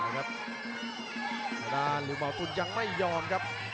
ประด้านหรือเหมาตุกลัลยังไม่ยอมครับ